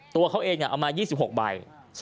ตัวเขาเองเอามา๒๖ใบ